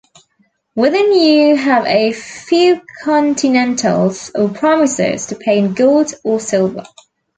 Within you have a few continentals or promises to pay in gold or silver.